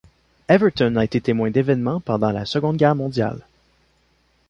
Everton a été témoin d'évènements pendant la Seconde Guerre mondiale.